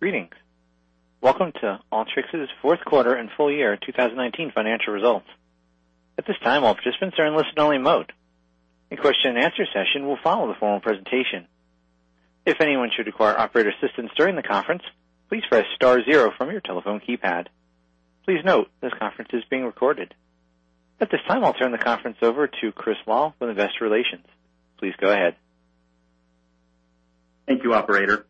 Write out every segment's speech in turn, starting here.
Greetings. Welcome to Alteryx's Fourth Quarter and Full Year 2019 Financial Results. At this time, all participants are in listen only mode. A question and answer session will follow the formal presentation. If anyone should require operator assistance during the conference, please press star zero from your telephone keypad. Please note, this conference is being recorded. At this time, I'll turn the conference over to Chris Lal from Investor Relations. Please go ahead. Thank you, operator.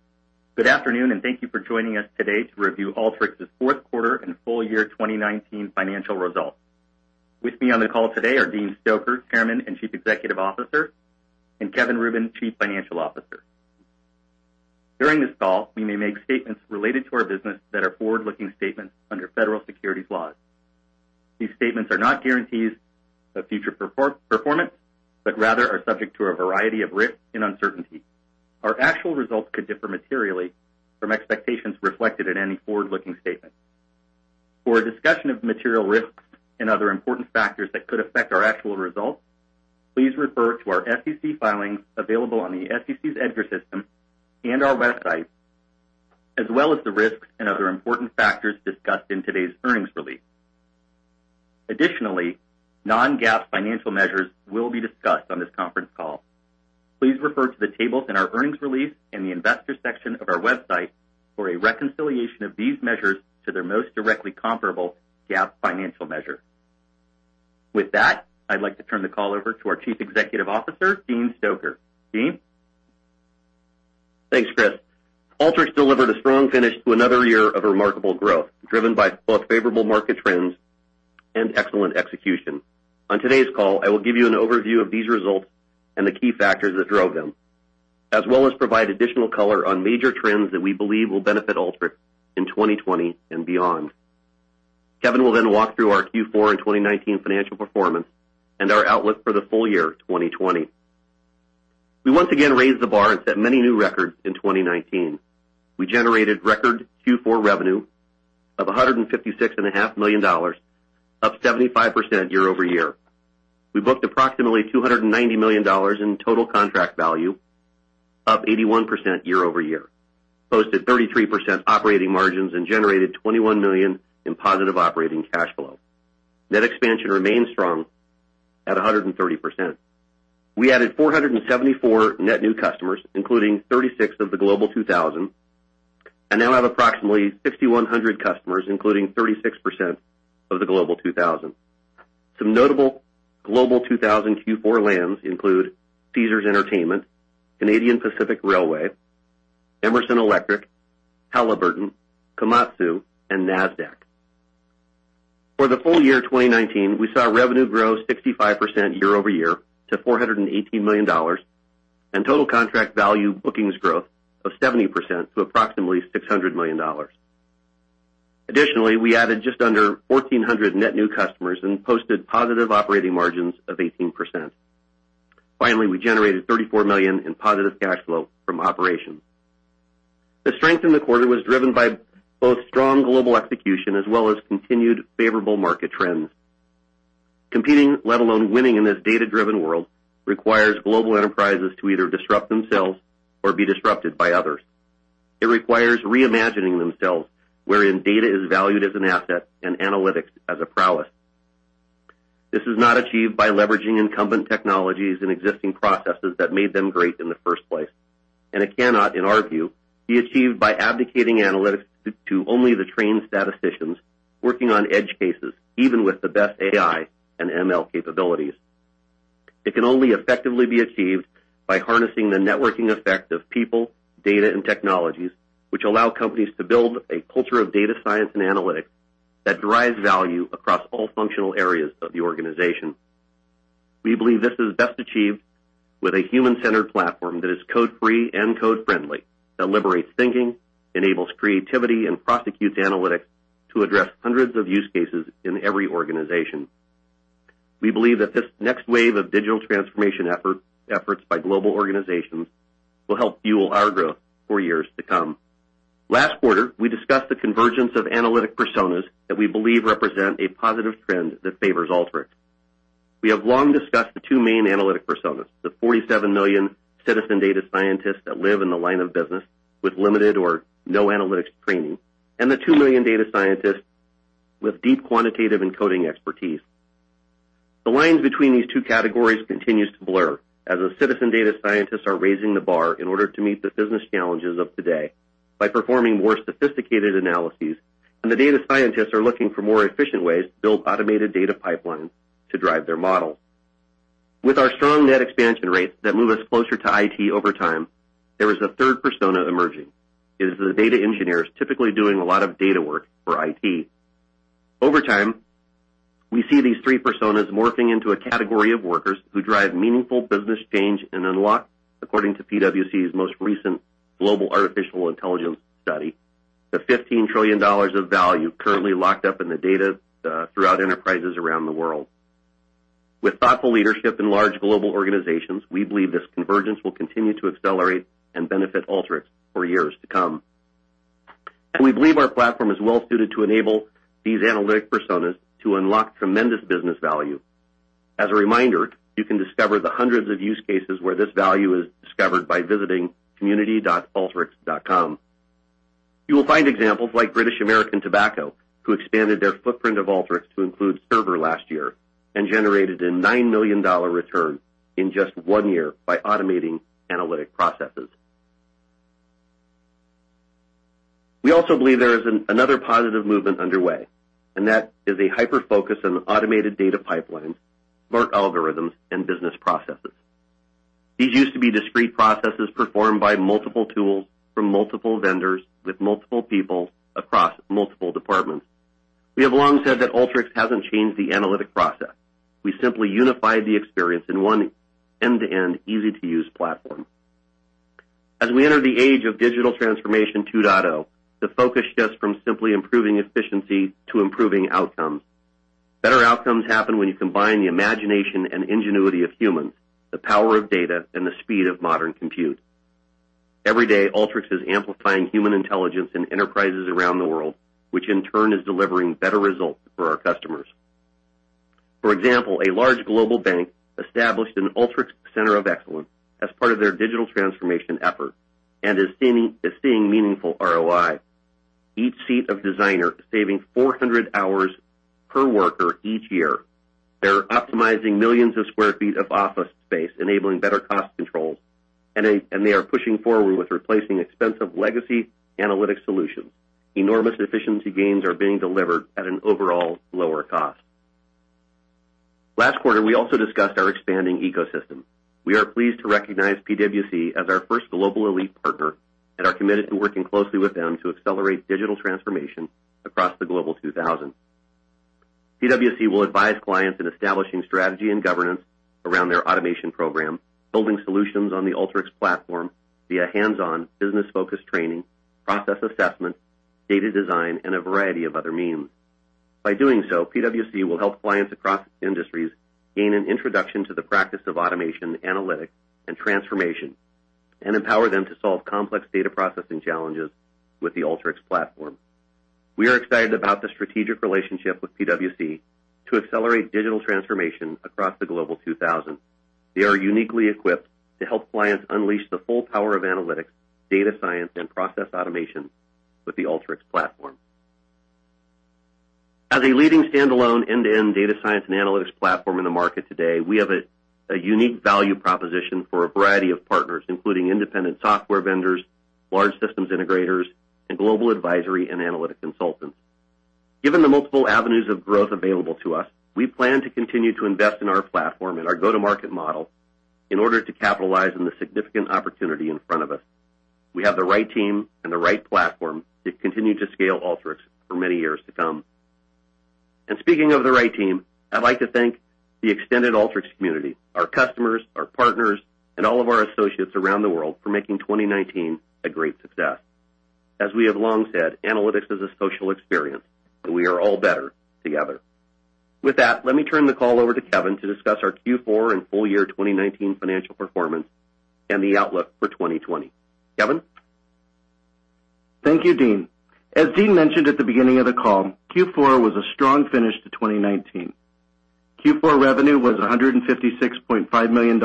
Good afternoon, and thank you for joining us today to review Alteryx's Fourth Quarter and Full Year 2019 Financial Results. With me on the call today are Dean Stoecker, Chairman and Chief Executive Officer, and Kevin Rubin, Chief Financial Officer. During this call, we may make statements related to our business that are forward-looking statements under federal securities laws. These statements are not guarantees of future performance, but rather are subject to a variety of risks and uncertainties. Our actual results could differ materially from expectations reflected in any forward-looking statement. For a discussion of material risks and other important factors that could affect our actual results, please refer to our SEC filings available on the SEC's EDGAR system and our website, as well as the risks and other important factors discussed in today's earnings release. Additionally, non-GAAP financial measures will be discussed on this conference call. Please refer to the tables in our earnings release in the investor section of our website for a reconciliation of these measures to their most directly comparable GAAP financial measure. With that, I'd like to turn the call over to our Chief Executive Officer, Dean Stoecker. Dean? Thanks, Chris. Alteryx delivered a strong finish to another year of remarkable growth, driven by both favorable market trends and excellent execution. On today's call, I will give you an overview of these results and the key factors that drove them, as well as provide additional color on major trends that we believe will benefit Alteryx in 2020 and beyond. Kevin will then walk through our Q4 and 2019 financial performance and our outlook for the full year 2020. We once again raised the bar and set many new records in 2019. We generated record Q4 revenue of $156.5 million, up 75% year-over-year. We booked approximately $290 million in total contract value, up 81% year-over-year, posted 33% operating margins, and generated $21 million in positive operating cash flow. Net expansion remained strong at 130%. We added 474 net new customers, including 36 of the Global 2000, and now have approximately 6,100 customers, including 36% of the Global 2000. Some notable Global 2000 Q4 lands include Caesars Entertainment, Canadian Pacific Railway, Emerson Electric, Halliburton, Komatsu, and Nasdaq. For the full year 2019, we saw revenue grow 65% year-over-year to $418 million, and total contract value bookings growth of 70% to approximately $600 million. Additionally, we added just under 1,400 net new customers and posted positive operating margins of 18%. Finally, we generated $34 million in positive cash flow from operations. The strength in the quarter was driven by both strong global execution as well as continued favorable market trends. Competing, let alone winning in this data-driven world, requires global enterprises to either disrupt themselves or be disrupted by others. It requires reimagining themselves wherein data is valued as an asset and analytics as a prowess. This is not achieved by leveraging incumbent technologies and existing processes that made them great in the first place, and it cannot, in our view, be achieved by abdicating analytics to only the trained statisticians working on edge cases, even with the best AI and ML capabilities. It can only effectively be achieved by harnessing the networking effect of people, data, and technologies which allow companies to build a culture of data science and analytics that derives value across all functional areas of the organization. We believe this is best achieved with a human-centered platform that is code-free and code-friendly, that liberates thinking, enables creativity, and prosecutes analytics to address hundreds of use cases in every organization. We believe that this next wave of Digital Transformation efforts by global organizations will help fuel our growth for years to come. Last quarter, we discussed the convergence of analytic personas that we believe represent a positive trend that favors Alteryx. We have long discussed the two main analytic personas, the 47 million citizen data scientists that live in the line of business with limited or no analytics training, and the 2,000,000 data scientists with deep quantitative and coding expertise. The lines between these two categories continues to blur as the citizen data scientists are raising the bar in order to meet the business challenges of today by performing more sophisticated analyses, and the data scientists are looking for more efficient ways to build automated data pipelines to drive their models. With our strong net expansion rates that move us closer to IT over time, there is a third persona emerging. It is the data engineers typically doing a lot of data work for IT. Over time, we see these three personas morphing into a category of workers who drive meaningful business change and unlock, according to PwC's most recent Global Artificial Intelligence Study, the $15 trillion of value currently locked up in the data throughout enterprises around the world. With thoughtful leadership in large global organizations, we believe this convergence will continue to accelerate and benefit Alteryx for years to come. We believe our platform is well suited to enable these analytic personas to unlock tremendous business value. As a reminder, you can discover the hundreds of use cases where this value is discovered by visiting community.alteryx.com. You will find examples like British American Tobacco, who expanded their footprint of Alteryx to include Server last year and generated a $9 million return in just one year by automating analytic processes. We also believe there is another positive movement underway. That is a hyper-focus on automated data pipelines, smart algorithms, and business processes. These used to be discrete processes performed by multiple tools from multiple vendors with multiple people across multiple departments. We have long said that Alteryx hasn't changed the analytic process. We simply unified the experience in one end-to-end, easy-to-use platform. As we enter the age of Digital Transformation 2.0, the focus shifts from simply improving efficiency to improving outcomes. Better outcomes happen when you combine the imagination and ingenuity of humans, the power of data, and the speed of modern compute. Every day, Alteryx is amplifying human intelligence in enterprises around the world, which in turn is delivering better results for our customers. For example, a large global bank established an Alteryx center of excellence as part of their digital transformation effort and is seeing meaningful ROI. Each seat of Designer is saving 400 hours per worker each year. They're optimizing millions of square feet of office space, enabling better cost controls, and they are pushing forward with replacing expensive legacy analytic solutions. Enormous efficiency gains are being delivered at an overall lower cost. Last quarter, we also discussed our expanding ecosystem. We are pleased to recognize PwC as our first Global Elite Partner, and are committed to working closely with them to accelerate digital transformation across the Global 2000. PwC will advise clients in establishing strategy and governance around their automation program, building solutions on the Alteryx platform via hands-on, business-focused training, process assessment, data design, and a variety of other means. By doing so, PwC will help clients across industries gain an introduction to the practice of automation analytics and transformation, and empower them to solve complex data processing challenges with the Alteryx platform. We are excited about the strategic relationship with PwC to accelerate digital transformation across the Global 2000. They are uniquely equipped to help clients unleash the full power of analytics, data science, and process automation with the Alteryx platform. As a leading standalone end-to-end data science and analytics platform in the market today, we have a unique value proposition for a variety of partners, including independent software vendors, large systems integrators, and global advisory and analytic consultants. Given the multiple avenues of growth available to us, we plan to continue to invest in our platform and our go-to-market model in order to capitalize on the significant opportunity in front of us. We have the right team and the right platform to continue to scale Alteryx for many years to come. Speaking of the right team, I'd like to thank the extended Alteryx Community, our customers, our partners, and all of our associates around the world for making 2019 a great success. As we have long said, analytics is a social experience, and we are all better together. With that, let me turn the call over to Kevin to discuss our Q4 and full year 2019 financial performance and the outlook for 2020. Kevin? Thank you, Dean. As Dean mentioned at the beginning of the call, Q4 was a strong finish to 2019. Q4 revenue was $156.5 million,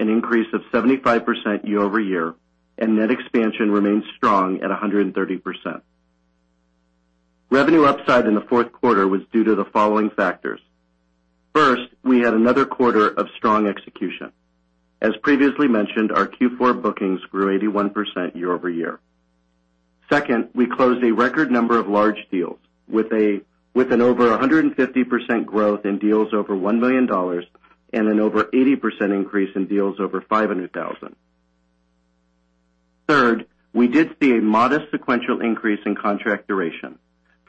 an increase of 75% year-over-year, net expansion remains strong at 130%. Revenue upside in the fourth quarter was due to the following factors. First, we had another quarter of strong execution. As previously mentioned, our Q4 bookings grew 81% year-over-year. Second, we closed a record number of large deals with an over 150% growth in deals over $1 million and an over 80% increase in deals over $500,000. Third, we did see a modest sequential increase in contract duration.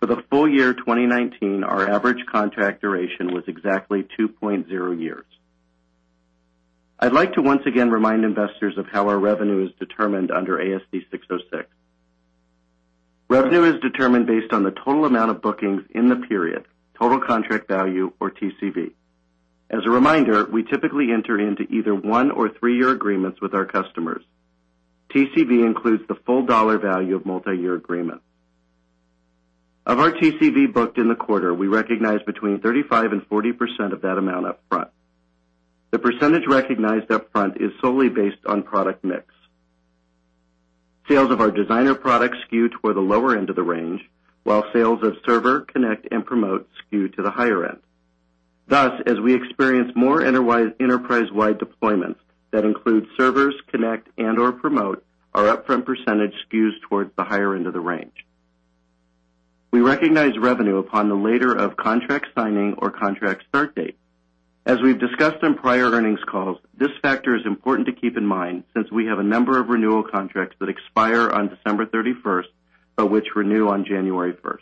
For the full year 2019, our average contract duration was exactly 2.0 years. I'd like to once again remind investors of how our revenue is determined under ASC 606. Revenue is determined based on the total amount of bookings in the period, total contract value, or TCV. As a reminder, we typically enter into either one or three-year agreements with our customers. TCV includes the full dollar value of multi-year agreements. Of our TCV booked in the quarter, we recognize between 35% and 40% of that amount up front. The percentage recognized up front is solely based on product mix. Sales of our Alteryx Designer products skew toward the lower end of the range, while sales of Alteryx Server, Alteryx Connect, and Alteryx Promote skew to the higher end. As we experience more enterprise-wide deployments that include Alteryx Servers, Alteryx Connect, and/or Alteryx Promote, our upfront percentage skews towards the higher end of the range. We recognize revenue upon the later of contract signing or contract start date. As we've discussed on prior earnings calls, this factor is important to keep in mind since we have a number of renewal contracts that expire on December 31st, but which renew on January 1st.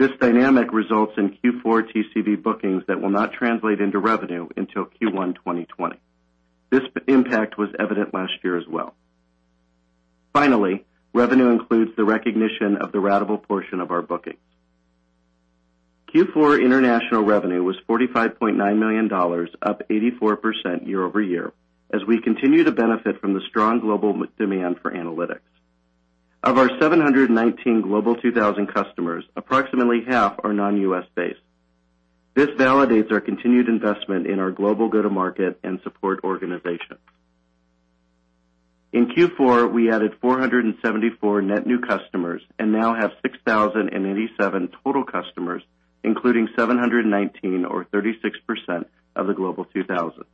This dynamic results in Q4 TCV bookings that will not translate into revenue until Q1 2020. This impact was evident last year as well. Finally, revenue includes the recognition of the ratable portion of our bookings. Q4 international revenue was $45.9 million, up 84% year-over-year, as we continue to benefit from the strong global demand for analytics. Of our 719 Global 2000 customers, approximately half are non-US based. This validates our continued investment in our global go-to-market and support organization. In Q4, we added 474 net new customers and now have 6,087 total customers, including 719 or 36% of the Global 2000.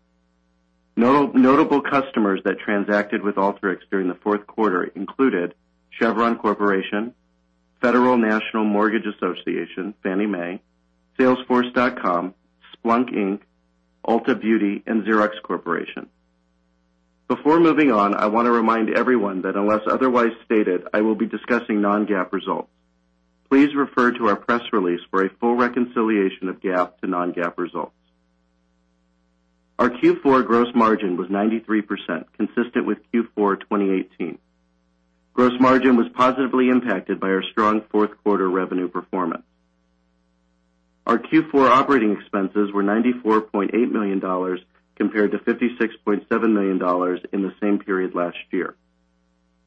Notable customers that transacted with Alteryx during the fourth quarter included Chevron Corporation, Federal National Mortgage Association, Fannie Mae, salesforce.com, Splunk Inc., Ulta Beauty, and Xerox Corporation. Before moving on, I want to remind everyone that unless otherwise stated, I will be discussing non-GAAP results. Please refer to our press release for a full reconciliation of GAAP to non-GAAP results. Our Q4 gross margin was 93%, consistent with Q4 2018. Gross margin was positively impacted by our strong fourth quarter revenue performance. Our Q4 operating expenses were $94.8 million compared to $56.7 million in the same period last year.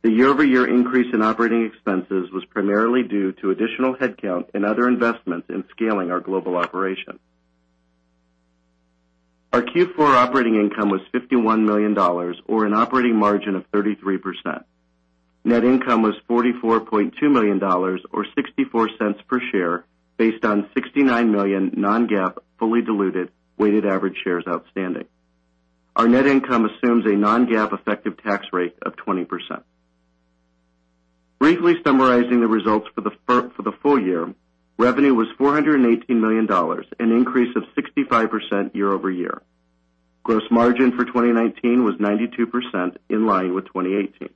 The year-over-year increase in operating expenses was primarily due to additional headcount and other investments in scaling our global operation. Our Q4 operating income was $51 million, or an operating margin of 33%. Net income was $44.2 million or $0.64 per share based on 69 million non-GAAP, fully diluted, weighted average shares outstanding. Our net income assumes a non-GAAP effective tax rate of 20%. Briefly summarizing the results for the full year, revenue was $418 million, an increase of 65% year-over-year. Gross margin for 2019 was 92%, in line with 2018.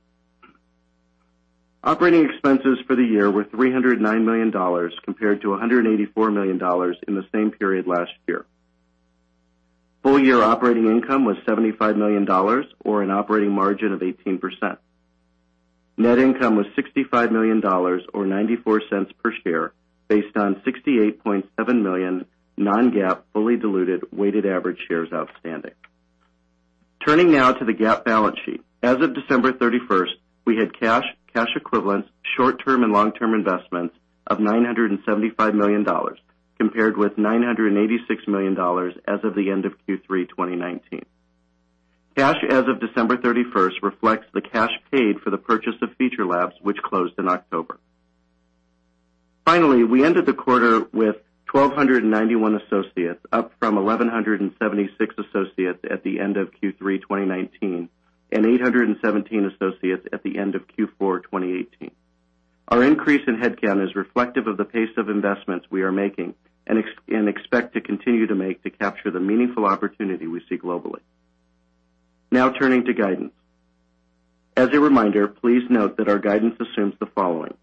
Operating expenses for the year were $309 million compared to $184 million in the same period last year. Full year operating income was $75 million, or an operating margin of 18%. Net income was $65 million, or $0.94 per share, based on 68.7 million non-GAAP, fully diluted, weighted average shares outstanding. Turning now to the GAAP balance sheet. As of December 31st, we had cash equivalents, short-term and long-term investments of $975 million, compared with $986 million as of the end of Q3 2019. Cash as of December 31st reflects the cash paid for the purchase of Feature Labs, which closed in October. Finally, we ended the quarter with 1,291 associates, up from 1,176 associates at the end of Q3 2019, and 817 associates at the end of Q4 2018. Our increase in headcount is reflective of the pace of investments we are making and expect to continue to make to capture the meaningful opportunity we see globally. Now turning to guidance. As a reminder, please note that our guidance assumes the following.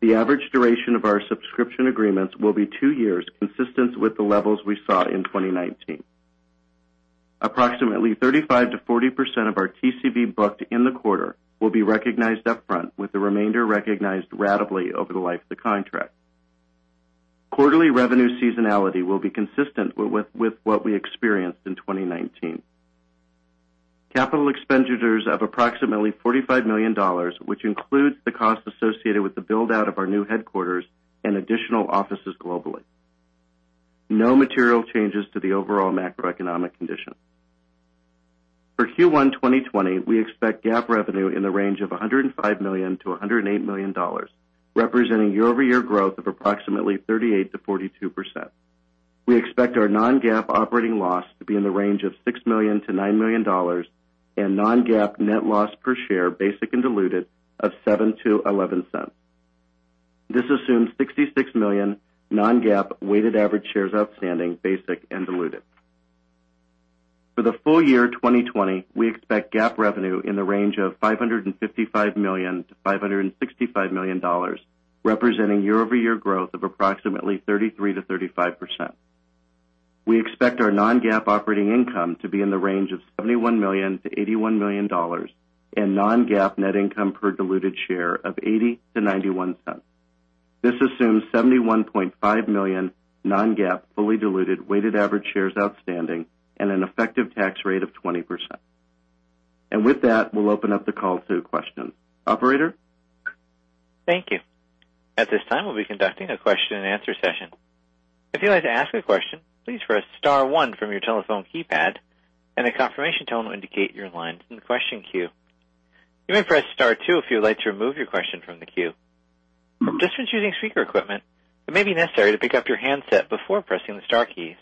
The average duration of our subscription agreements will be two years, consistent with the levels we saw in 2019. Approximately 35%-40% of our TCV booked in the quarter will be recognized upfront, with the remainder recognized ratably over the life of the contract. Quarterly revenue seasonality will be consistent with what we experienced in 2019. Capital expenditures of approximately $45 million, which includes the cost associated with the build-out of our new headquarters and additional offices globally. No material changes to the overall macroeconomic condition. For Q1 2020, we expect GAAP revenue in the range of $105 million-$108 million, representing year-over-year growth of approximately 38%-42%. We expect our non-GAAP operating loss to be in the range of $6 million-$9 million, and non-GAAP net loss per share, basic and diluted, of $0.07-$0.11. This assumes 66 million non-GAAP weighted average shares outstanding, basic and diluted. For the full year 2020, we expect GAAP revenue in the range of $555 million-$565 million, representing year-over-year growth of approximately 33%-35%. We expect our non-GAAP operating income to be in the range of $71 million-$81 million, and non-GAAP net income per diluted share of $0.80-$0.91. This assumes 71.5 million non-GAAP, fully diluted, weighted average shares outstanding and an effective tax rate of 20%. With that, we'll open up the call to questions. Operator? Thank you. At this time, we'll be conducting a question and answer session. If you'd like to ask a question, please press *1 from your telephone keypad, and a confirmation tone will indicate you're in line in the question queue. You may press *2 if you would like to remove your question from the queue. Participants using speaker equipment, it may be necessary to pick up your handset before pressing the star keys.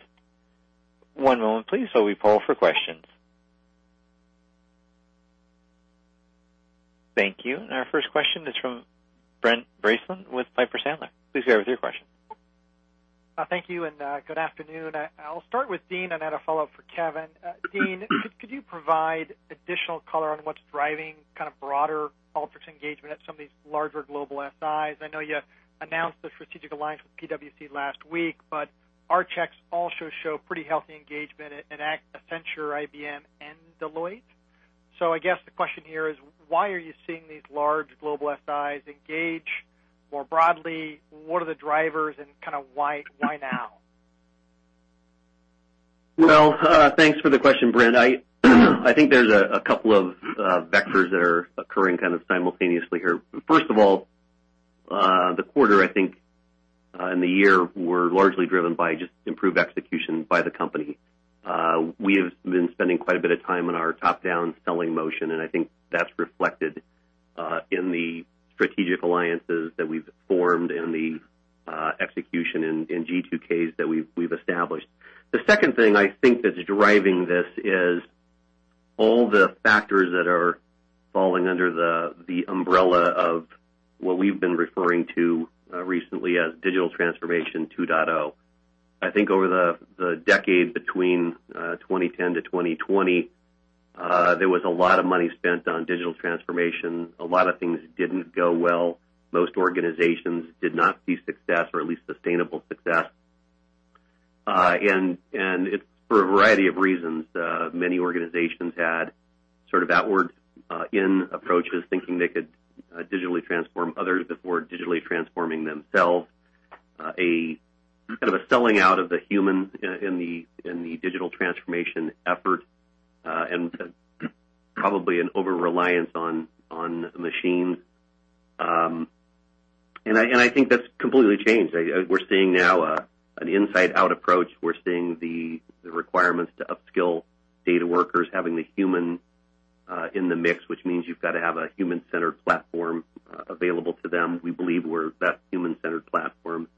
Thank you. Our first question is from Brent Bracelin with Piper Sandler. Please go ahead with your question. Thank you, and good afternoon. I'll start with Dean and add a follow-up for Kevin. Dean, could you provide additional color on what's driving kind of broader Alteryx engagement at some of these larger global SIs? I know you announced the strategic alliance with PwC last week, but our checks also show pretty healthy engagement at Accenture, IBM, and Deloitte. I guess the question here is, why are you seeing these large global SIs engage more broadly? What are the drivers, and why now? Thanks for the question, Brent. I think there's a couple of vectors that are occurring kind of simultaneously here. First of all, the quarter I think, and the year, were largely driven by just improved execution by the company. We have been spending quite a bit of time on our top-down selling motion, and I think that's reflected in the strategic alliances that we've formed and the execution in G2K cases that we've established. The second thing I think that's driving this is all the factors that are falling under the umbrella of what we've been referring to recently as Digital Transformation 2.0. I think over the decade between 2010 to 2020, there was a lot of money spent on digital transformation. A lot of things didn't go well. Most organizations did not see success or at least sustainable success. It's for a variety of reasons. Many organizations had sort of outward-in approaches, thinking they could digitally transform others before digitally transforming themselves. A kind of a selling out of the human in the digital transformation effort, probably an over-reliance on machines. I think that's completely changed. We're seeing now an inside-out approach. We're seeing the requirements to upskill data workers having the human in the mix, which means you've got to have a human-centered platform available to them. We believe we're that human-centered platform.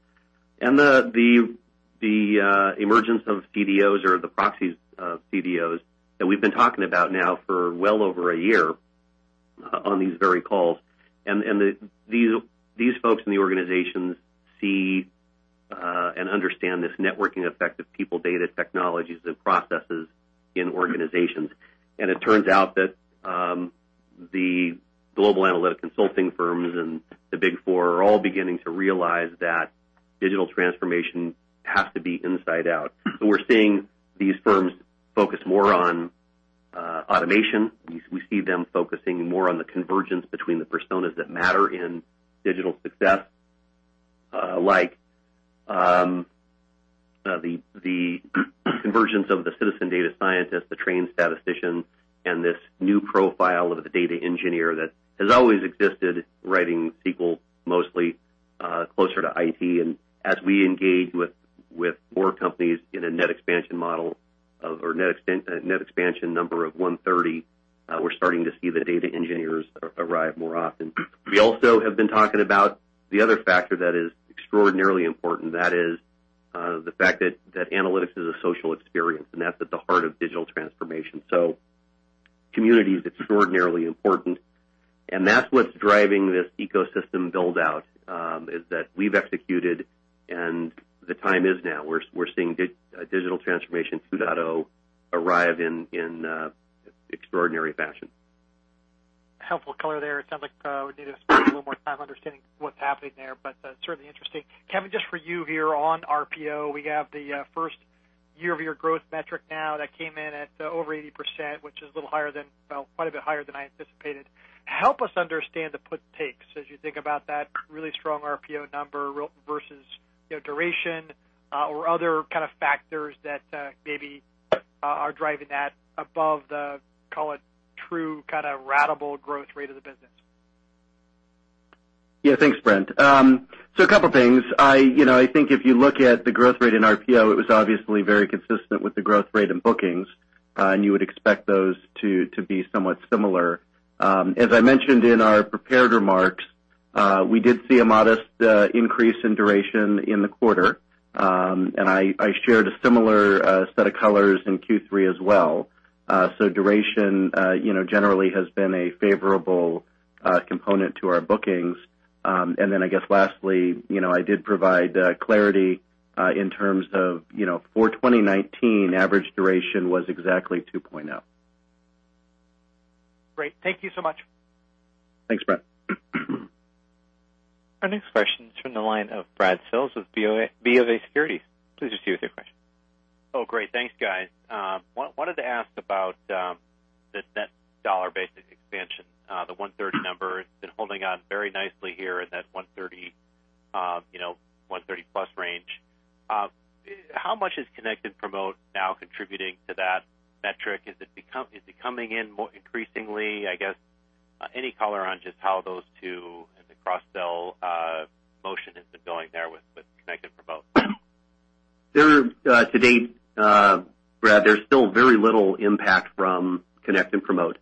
The emergence of CDOs or the proxies of CDOs that we've been talking about now for well over a year on these very calls. These folks in the organizations see and understand this networking effect of people, data, technologies, and processes in organizations. It turns out that the global analytic consulting firms and the Big Four are all beginning to realize that digital transformation has to be inside out. We're seeing these firms focus more on automation. We see them focusing more on the convergence between the personas that matter in digital success. Like the convergence of the citizen data scientist, the trained statistician, and this new profile of the data engineer that has always existed, writing SQL mostly, closer to IT. As we engage with more companies in a net expansion model or net expansion number of 130, we're starting to see the data engineers arrive more often. We also have been talking about the other factor that is extraordinarily important, that is the fact that analytics is a social experience, and that's at the heart of digital transformation. Community is extraordinarily important, and that's what's driving this ecosystem build-out, is that we've executed and the time is now. We're seeing Digital Transformation 2.0 arrive in extraordinary fashion. Helpful color there. It sounds like we need to spend a little more time understanding what's happening there, but certainly interesting. Kevin, just for you here on RPO, we have the first year-over-year growth metric now that came in at over 80%, which is quite a bit higher than I anticipated. Help us understand the puts and takes as you think about that really strong RPO number versus duration or other kind of factors that maybe are driving that above the, call it, true ratable growth rate of the business. Thanks, Brent. A couple things. I think if you look at the growth rate in RPO, it was obviously very consistent with the growth rate in bookings. You would expect those two to be somewhat similar. As I mentioned in our prepared remarks, we did see a modest increase in duration in the quarter. I shared a similar set of colors in Q3 as well. Duration generally has been a favorable component to our bookings. I guess lastly, I did provide clarity in terms of for 2019, average duration was exactly 2.0. Great. Thank you so much. Thanks, Brent. Our next question is from the line of Brad Sills of BofA Securities. Please proceed with your question. Oh, great. Thanks, guys. Wanted to ask about the net dollar-based expansion. The 130 number has been holding on very nicely here in that 130+ range. How much is Connect and Promote now contributing to that metric? Is it coming in more increasingly? I guess, any color on just how those two and the cross-sell motion has been going there with Connect and Promote. To date, Brad, there's still very little impact from Connect and Promote.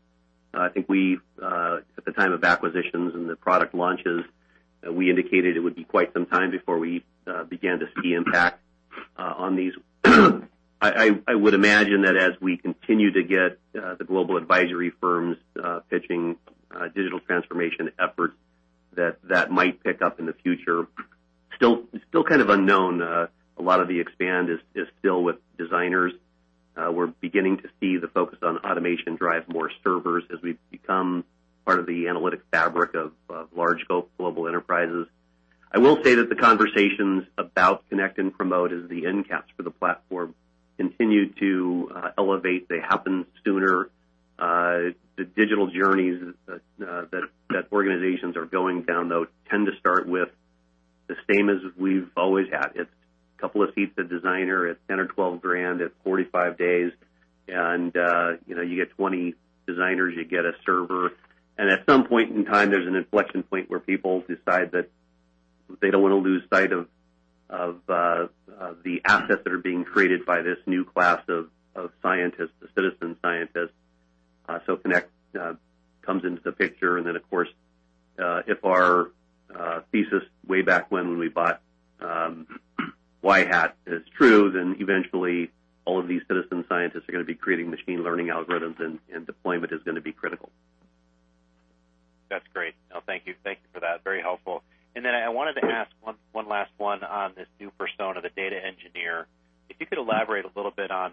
I think at the time of acquisitions and the product launches, we indicated it would be quite some time before we began to see impact on these. I would imagine that as we continue to get the global advisory firms pitching digital transformation efforts, that that might pick up in the future. Still kind of unknown. A lot of the expand is still with designers. We're beginning to see the focus on automation drive more servers as we become part of the analytic fabric of large global enterprises. I will say that the conversations about Connect and Promote as the endcaps for the platform continue to elevate. They happen sooner. The digital journeys that organizations are going down, though, tend to start with the same as we've always had. It's a couple of seats of Designer at 10K or 12K. It's 45 days, you get 20 Designers, you get a server. At some point in time, there's an inflection point where people decide that they don't want to lose sight of the assets that are being created by this new class of scientists, the citizen scientists. Connect comes into the picture, of course, if our thesis way back when we bought Yhat is true, eventually all of these citizen scientists are going to be creating machine learning algorithms, deployment is going to be critical. That's great. No, thank you. Thank you for that. Very helpful. Then I wanted to ask one last one on this new persona, the data engineer. If you could elaborate a little bit on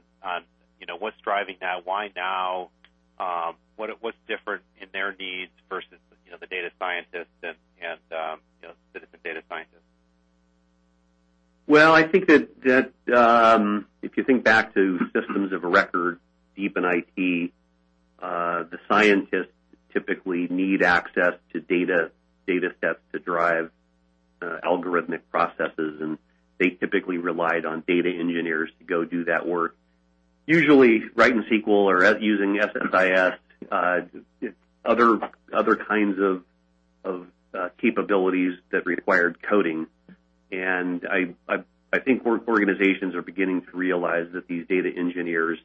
what's driving that, why now? What's different in their needs versus the data scientists and citizen data scientists? Well, I think that if you think back to systems of record, deep in IT, the scientists typically need access to data sets to drive algorithmic processes, and they typically relied on data engineers to go do that work. Usually, writing SQL or using SSIS, other kinds of capabilities that required coding. I think organizations are beginning to realize that these data engineers,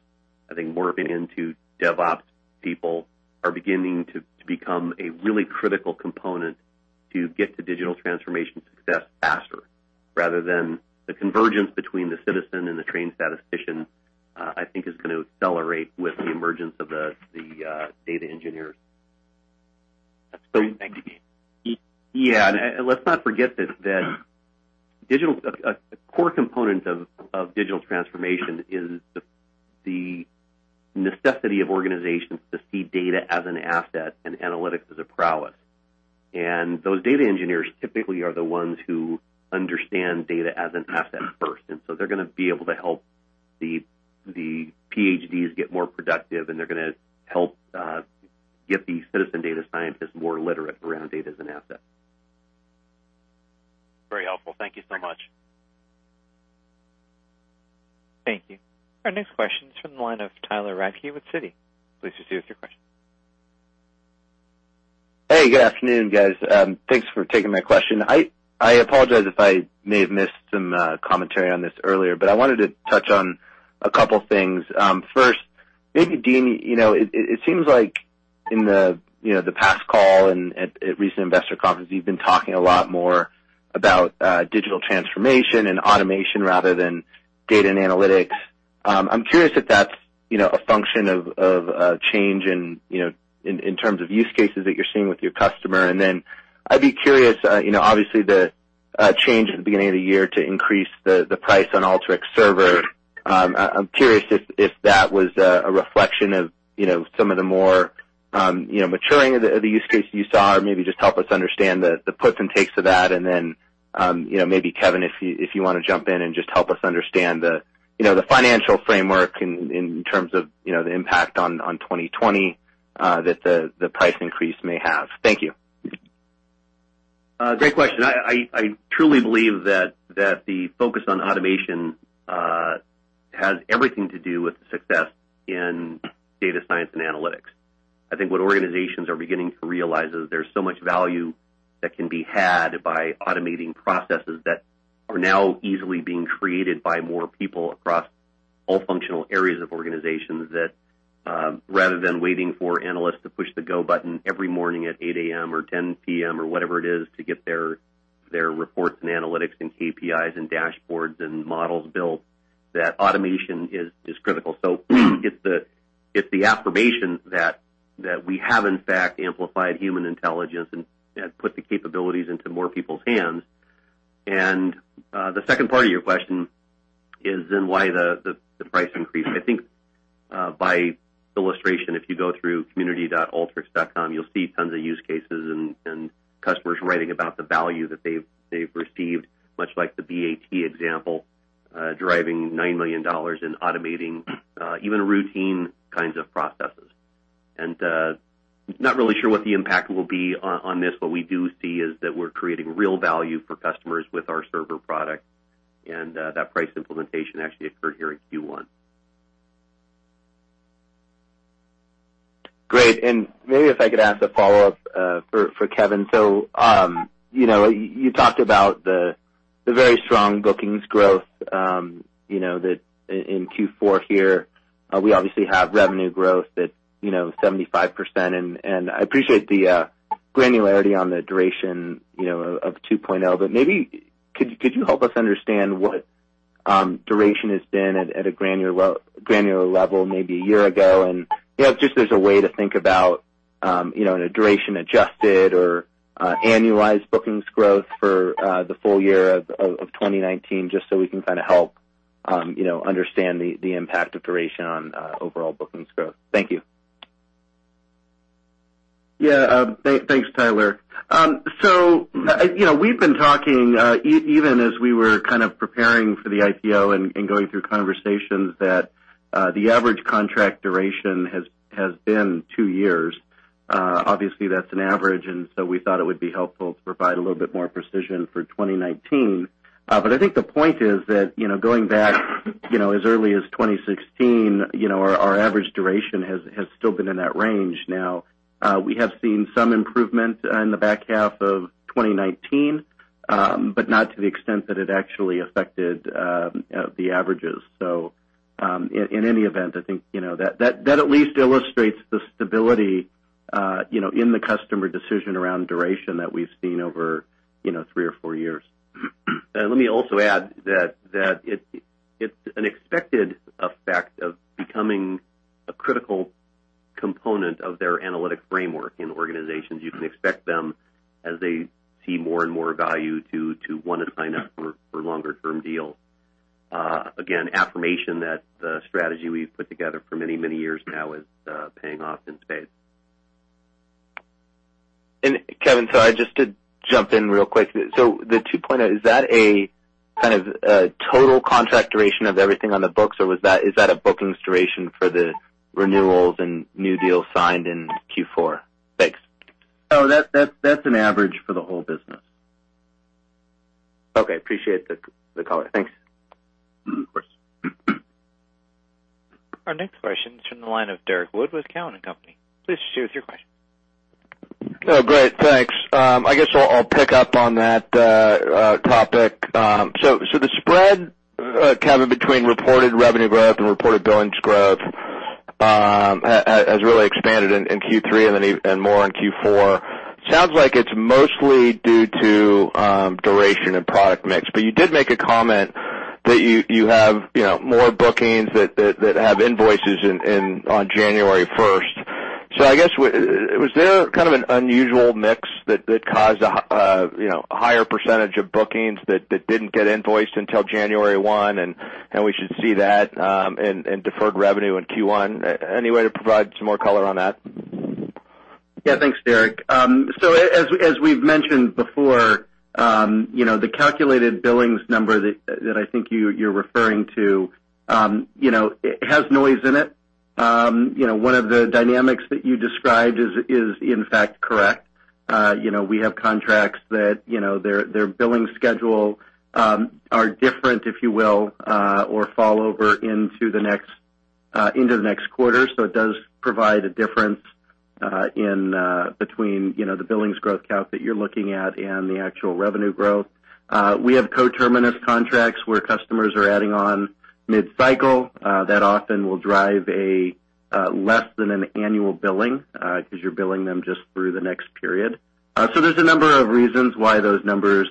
I think morphing into DevOps people, are beginning to become a really critical component to get to Digital Transformation success faster, rather than the convergence between the citizen and the trained statistician, I think is going to accelerate with the emergence of the data engineers. That's great. Thank you. Yeah. Let's not forget this, that a core component of digital transformation is the necessity of organizations to see data as an asset and analytics as a prowess. Those data engineers typically are the ones who understand data as an asset first. They're going to be able to help the PhDs get more productive, and they're going to help get the citizen data scientists more literate around data as an asset. Very helpful. Thank you so much. Thank you. Our next question is from the line of Tyler Radke with Citi. Please proceed with your question. Hey, good afternoon, guys. Thanks for taking my question. I apologize if I may have missed some commentary on this earlier, but I wanted to touch on a couple things. First, maybe Dean, it seems like in the past call and at recent investor conferences, you've been talking a lot more about digital transformation and automation rather than data and analytics. I'm curious if that's a function of a change in terms of use cases that you're seeing with your customer. Then I'd be curious, obviously the change at the beginning of the year to increase the price on Alteryx Server. I'm curious if that was a reflection of some of the more maturing of the use cases you saw, or maybe just help us understand the puts and takes of that. Maybe Kevin, if you want to jump in and just help us understand the financial framework in terms of the impact on 2020 that the price increase may have. Thank you. Great question. I truly believe that the focus on automation has everything to do with the success in data science and analytics. I think what organizations are beginning to realize is there's so much value that can be had by automating processes that are now easily being created by more people across all functional areas of organizations, that rather than waiting for analysts to push the go button every morning at 8:00 A.M. or 10:00 P.M. or whatever it is to get their reports and analytics and KPIs and dashboards and models built, that automation is critical. It's the affirmation that we have, in fact, amplified human intelligence and put the capabilities into more people's hands. The second part of your question is then why the price increase? I think by illustration, if you go through community.alteryx.com, you'll see tons of use cases and customers writing about the value that they've received, much like the BAT example, driving $9 million in automating even routine kinds of processes. Not really sure what the impact will be on this, but we do see is that we're creating real value for customers with our Server product, and that price implementation actually occurred here in Q1. Great. Maybe if I could ask a follow-up for Kevin. You talked about the very strong bookings growth in Q4 here. We obviously have revenue growth at 75%, and I appreciate the granularity on the duration of ASC 606. Maybe could you help us understand what duration has been at a granular level maybe a year ago? Just as a way to think about in a duration adjusted or annualized bookings growth for the full year of 2019, just so we can kind of help understand the impact of duration on overall bookings growth. Thank you. Yeah. Thanks, Tyler. We've been talking, even as we were kind of preparing for the IPO and going through conversations that the average contract duration has been two years. Obviously, that's an average, and we thought it would be helpful to provide a little bit more precision for 2019. I think the point is that, going back as early as 2016, our average duration has still been in that range. We have seen some improvement in the back half of 2019, but not to the extent that it actually affected the averages. In any event, I think that at least illustrates the stability in the customer decision around duration that we've seen over three or four years. Let me also add that it's an expected effect of becoming a critical component of their analytic framework in organizations. You can expect them as they see more and more value to want to sign up for a longer-term deal. Affirmation that the strategy we've put together for many, many years now is paying off in spades. Kevin, sorry, just to jump in real quick. The 2.0, is that a kind of total contract duration of everything on the books, or is that a bookings duration for the renewals and new deals signed in Q4? Thanks. No, that's an average for the whole business. Okay. Appreciate the color. Thanks. Of course. Our next question is from the line of Derrick Wood with Cowen and Company. Please share us your question. Great. Thanks. I guess I'll pick up on that topic. The spread, Kevin, between reported revenue growth and reported billings growth has really expanded in Q3 and more in Q4. Sounds like it's mostly due to duration and product mix, but you did make a comment that you have more bookings that have invoices on January 1st. I guess, was there kind of an unusual mix that caused a higher percentage of bookings that didn't get invoiced until January 1, and we should see that in deferred revenue in Q1? Any way to provide some more color on that? Yeah. Thanks, Derrick. As we've mentioned before, the calculated billings number that I think you're referring to has noise in it. One of the dynamics that you described is in fact correct. We have contracts that their billing schedule are different, if you will, or fall over into the next quarter. It does provide a difference between the billings growth count that you're looking at and the actual revenue growth. We have co-terminus contracts where customers are adding on mid-cycle. That often will drive a less than an annual billing because you're billing them just through the next period. There's a number of reasons why those numbers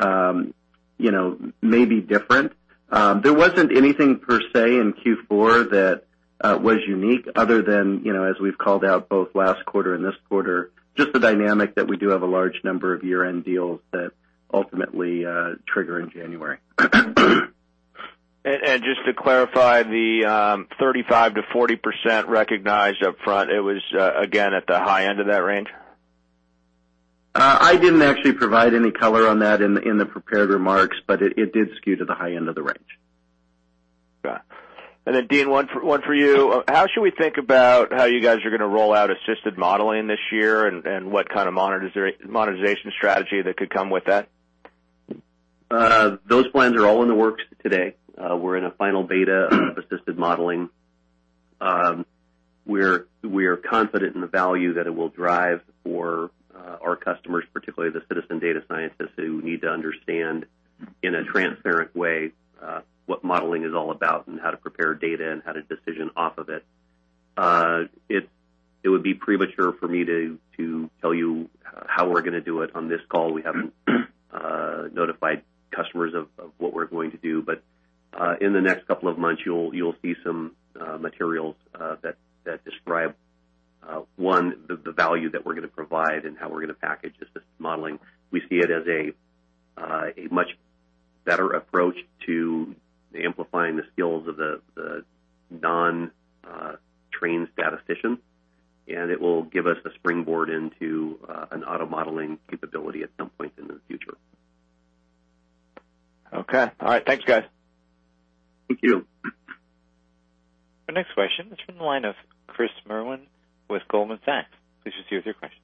may be different. There wasn't anything per se in Q4 that was unique other than, as we've called out both last quarter and this quarter, just the dynamic that we do have a large number of year-end deals that ultimately trigger in January. Just to clarify, the 35%-40% recognized upfront, it was again at the high end of that range? I didn't actually provide any color on that in the prepared remarks, but it did skew to the high end of the range. Got it. Dean, one for you. How should we think about how you guys are going to roll out Assisted Modeling this year and what kind of monetization strategy that could come with that? Those plans are all in the works today. We're in a final beta of Assisted Modeling. We are confident in the value that it will drive for our customers, particularly the citizen data scientists who need to understand in a transparent way what modeling is all about and how to prepare data and how to decision off of it. It would be premature for me to tell you how we're going to do it on this call. We haven't notified customers of what we're going to do. In the next couple of months, you'll see some materials that describe, one, the value that we're going to provide and how we're going to package Assisted Modeling. We see it as a much better approach to amplifying the skills of the non-trained statistician, and it will give us a springboard into an auto-modeling capability at some point in the future. Okay. All right. Thanks, guys. Thank you. Our next question is from the line of Chris Merwin with Goldman Sachs. Please proceed with your question.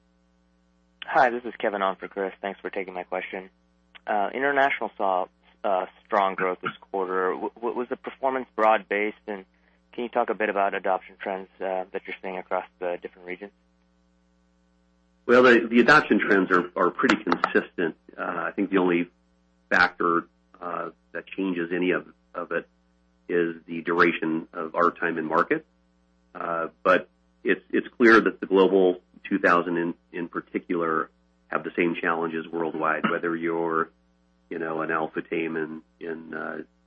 Hi, this is Kevin on for Chris. Thanks for taking my question. International saw strong growth this quarter. Was the performance broad-based? Can you talk a bit about adoption trends that you're seeing across the different regions? The adoption trends are pretty consistent. I think the only factor that changes any of it is the duration of our time in market. It's clear that the Global 2000 in particular have the same challenges worldwide, whether you're an Al-Futtaim in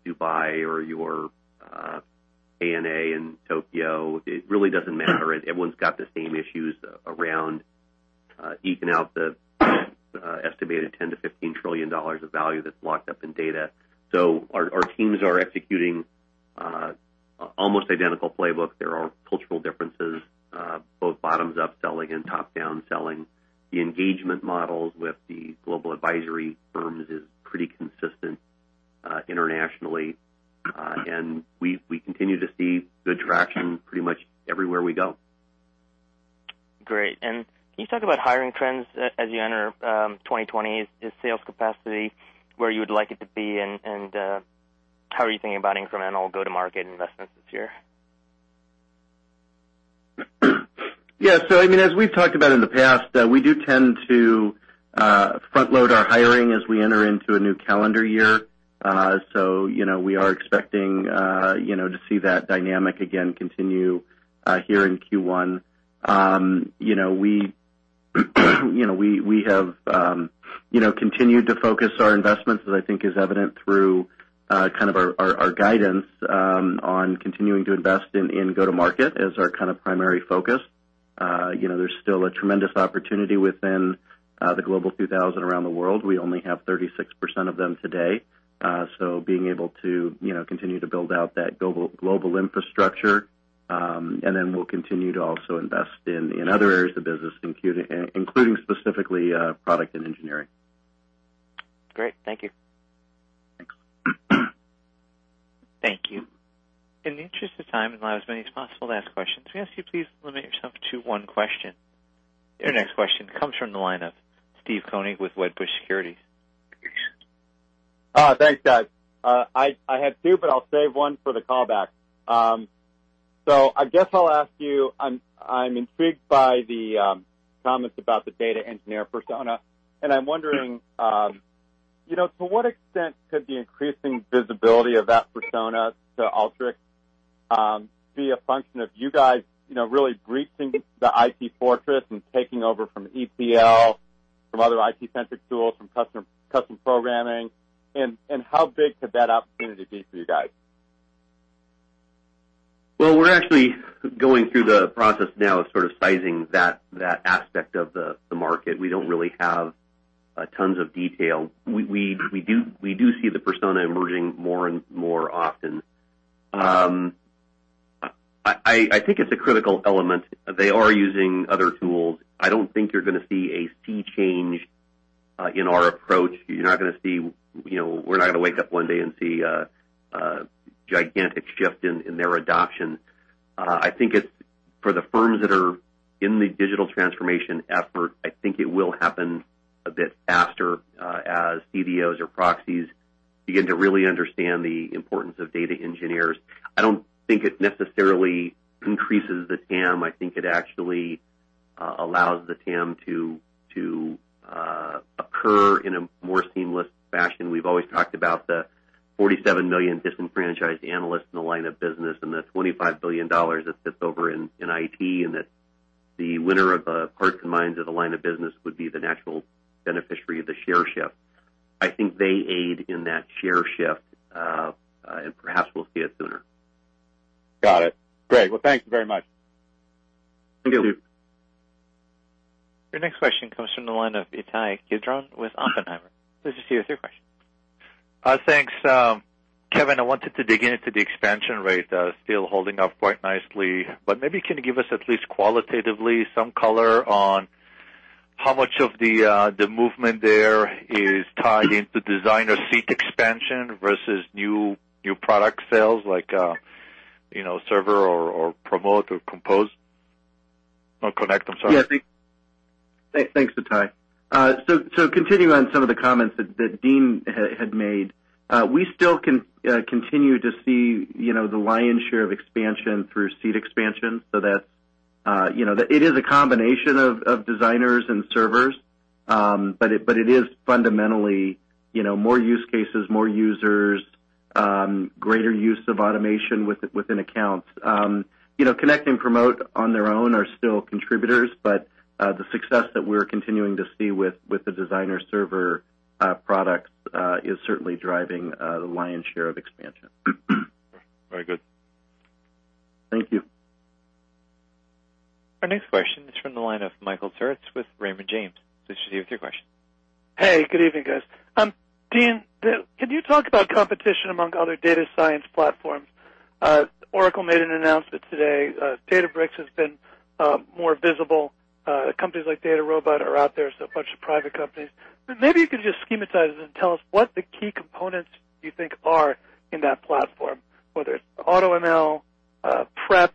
Dubai or you're ANA in Tokyo. It really doesn't matter. Everyone's got the same issues around eking out the estimated $10 trillion-$15 trillion of value that's locked up in data. Our teams are executing almost identical playbook. There are cultural differences both bottoms-up selling and top-down selling. The engagement models with the global advisory firms is pretty consistent. Internationally, we continue to see good traction pretty much everywhere we go. Great. Can you talk about hiring trends as you enter 2020? Is sales capacity where you would like it to be? How are you thinking about incremental go-to-market investments this year? Yeah. As we've talked about in the past, we do tend to front-load our hiring as we enter into a new calendar year. We are expecting to see that dynamic again continue here in Q1. We have continued to focus our investments as I think is evident through our guidance on continuing to invest in go-to-market as our primary focus. There's still a tremendous opportunity within the Global 2000 around the world. We only have 36% of them today, being able to continue to build out that global infrastructure. Then we'll continue to also invest in other areas of the business, including specifically product and engineering. Great. Thank you. Thanks. Thank you. In the interest of time and to allow as many as possible to ask questions, we ask you please limit yourself to one question. Your next question comes from the line of Steve Koenig with Wedbush Securities. Thanks, Todd. I had two, but I'll save one for the callback. I guess I'll ask you, I'm intrigued by the comments about the data engineer persona, and I'm wondering, to what extent could the increasing visibility of that persona to Alteryx be a function of you guys really breaching the IT fortress and taking over from ETL, from other IT-centric tools, from custom programming, and how big could that opportunity be for you guys? Well, we're actually going through the process now of sort of sizing that aspect of the market. We don't really have tons of detail. We do see the persona emerging more and more often. I think it's a critical element. They are using other tools. I don't think you're going to see a sea change in our approach. We're not going to wake up one day and see a gigantic shift in their adoption. I think for the firms that are in the digital transformation effort, I think it will happen a bit faster as CDOs or proxies begin to really understand the importance of data engineers. I don't think it necessarily increases the TAM. I think it actually allows the TAM to occur in a more seamless fashion. We've always talked about the 47 million disenfranchised analysts in the line of business and the $25 billion that sits over in IT, and that the winner of the hearts and minds of the line of business would be the natural beneficiary of the share shift. I think they aid in that share shift, and perhaps we'll see it sooner. Got it. Great. Well, thank you very much. Thank you. Your next question comes from the line of Ittai Kidron with Oppenheimer. Please proceed with your question. Thanks. Kevin, I wanted to dig into the expansion rate. Still holding up quite nicely, but maybe can you give us at least qualitatively some color on how much of the movement there is tied into Designer seat expansion versus new product sales like Server or Promote or Compose or Connect, I'm sorry. Yeah, thanks, Ittai. Continuing on some of the comments that Dean had made. We still continue to see the lion's share of expansion through seat expansion. It is a combination of Designer and Server, but it is fundamentally more use cases, more users, greater use of automation within accounts. Connect and Promote on their own are still contributors, but the success that we're continuing to see with the Designer Server products is certainly driving the lion's share of expansion. Very good. Thank you. Our next question is from the line of Michael Turits with Raymond James. Listeners, you with your question. Hey, good evening, guys. Dean, can you talk about competition among other data science platforms? Oracle made an announcement today. Databricks has been more visible. Companies like DataRobot are out there, so a bunch of private companies. Maybe you could just schematize it and tell us what the key components you think are in that platform, whether it's AutoML, prep,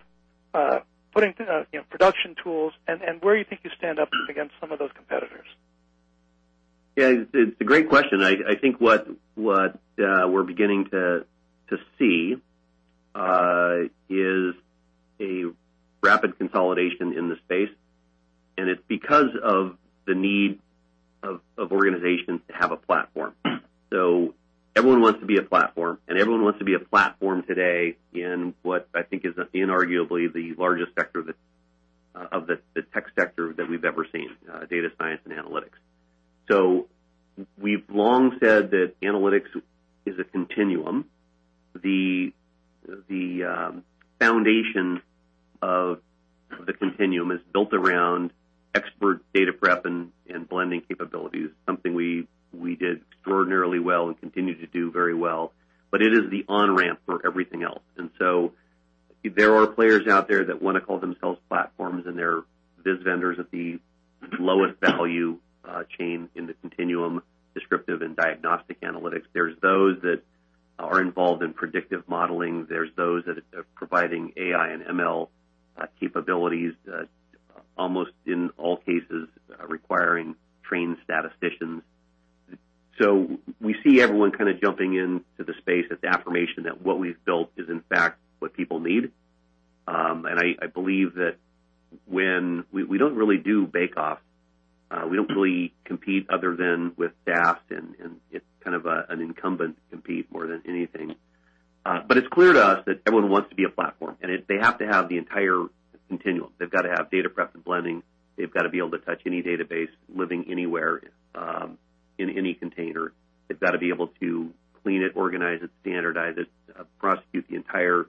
production tools, and where you think you stand up against some of those competitors. It's a great question. I think what we're beginning to see is a rapid consolidation in the space, and it's because of the need of organizations to have a platform. Everyone wants to be a platform, and everyone wants to be a platform today in what I think is inarguably the largest sector of the tech sector that we've ever seen, data science and analytics. We've long said that analytics is a continuum. The foundation of the continuum is built around expert data prep and blending capabilities, something we did extraordinarily well and continue to do very well. It is the on-ramp for everything else. There are players out there that want to call themselves platforms, and they're BI vendors at the lowest value chain in the continuum, descriptive and diagnostic analytics. There's those that are involved in predictive modeling. There's those that are providing AI and ML capabilities, almost in all cases requiring trained statisticians. We see everyone jumping into the space. It's affirmation that what we've built is, in fact, what people need. We don't really do bake-off. We don't really compete other than with SAS, and it's kind of an incumbent compete more than anything. It's clear to us that everyone wants to be a platform, and they have to have the entire continuum. They've got to have data prep and blending. They've got to be able to touch any database living anywhere, in any container. They've got to be able to clean it, organize it, standardize it, prosecute the entire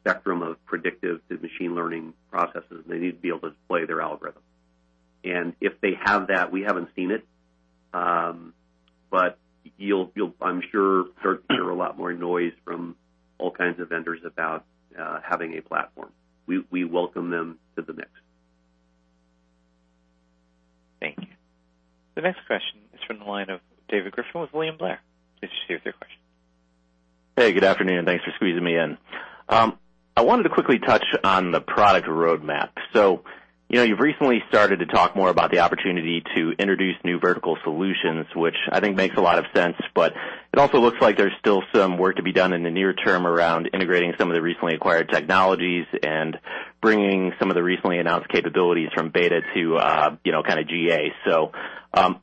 spectrum of predictive to machine learning processes, and they need to be able to display their algorithm. If they have that, we haven't seen it. You'll, I'm sure, start to hear a lot more noise from all kinds of vendors about having a platform. We welcome them to the mix. Thank you. The next question is from the line of David Griffin with William Blair. Please proceed with your question. Hey, good afternoon. Thanks for squeezing me in. I wanted to quickly touch on the product roadmap. You've recently started to talk more about the opportunity to introduce new vertical solutions, which I think makes a lot of sense, but it also looks like there's still some work to be done in the near term around integrating some of the recently acquired technologies and bringing some of the recently announced capabilities from beta to GA. It'd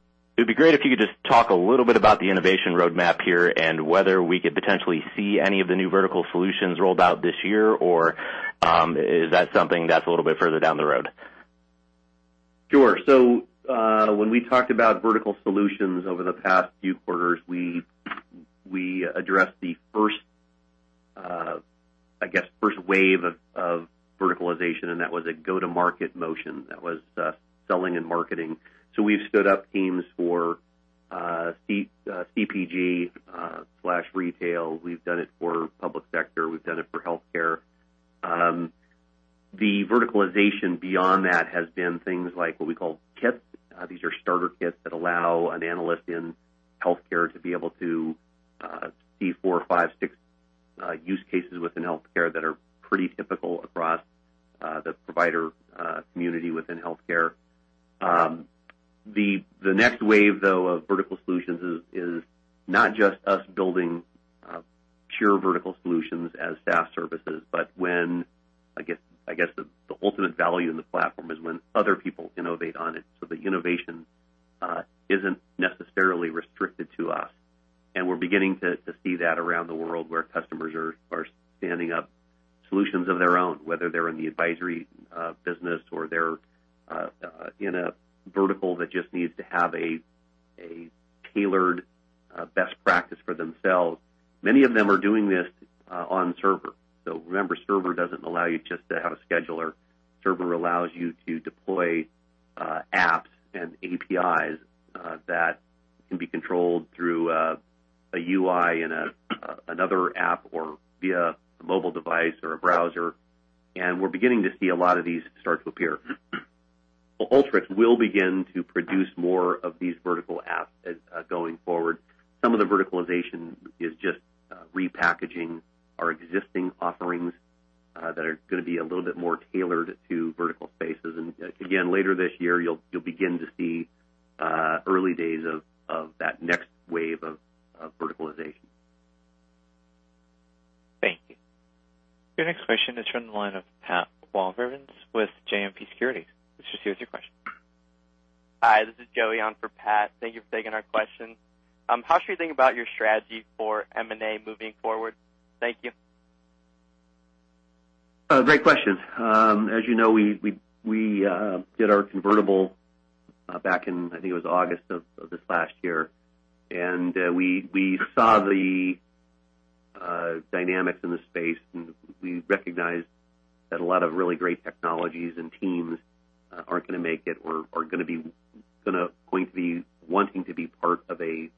be great if you could just talk a little bit about the innovation roadmap here and whether we could potentially see any of the new vertical solutions rolled out this year, or is that something that's a little bit further down the road? Sure. When we talked about vertical solutions over the past few quarters, we addressed the first wave of verticalization, and that was a go-to-market motion. That was selling and marketing. We've stood up teams for CPG/retail. We've done it for public sector. We've done it for healthcare. The verticalization beyond that has been things like what we call kits. These are starter kits that allow an analyst in healthcare to be able to see four, five, six use cases within healthcare that are pretty typical across the provider community within healthcare. The next wave, though, of vertical solutions is not just us building pure vertical solutions as SaaS services, but I guess, the ultimate value in the platform is when other people innovate on it. The innovation isn't necessarily restricted to us. We're beginning to see that around the world where customers are standing up solutions of their own, whether they're in the advisory business or they're in a vertical that just needs to have a tailored best practice for themselves. Many of them are doing this on Server. Remember, Server doesn't allow you just to have a scheduler. Server allows you to deploy apps and APIs that can be controlled through a UI in another app or via a mobile device or a browser. We're beginning to see a lot of these start to appear. Alteryx will begin to produce more of these vertical apps going forward. Some of the verticalization is just repackaging our existing offerings that are going to be a little bit more tailored to vertical spaces. Again, later this year, you'll begin to see early days of that next wave of verticalization. Thank you. Your next question is from the line of Pat Walravens with JMP Securities. Please proceed with your question. Hi, this is Joey on for Pat. Thank you for taking our question. How should we think about your strategy for M&A moving forward? Thank you. Great question. As you know, we did our convertible back in, I think it was August of this last year, and we saw the dynamics in the space, and we recognized that a lot of really great technologies and teams aren't going to make it or are going to be wanting to be part of a